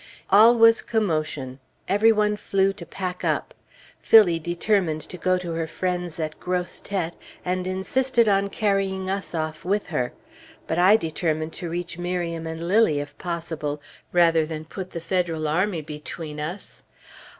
All was commotion; every one flew to pack up. Phillie determined to go to her friends at Grosse Tête, and insisted on carrying us off with her. But I determined to reach Miriam and Lilly if possible, rather than put the Federal army between us.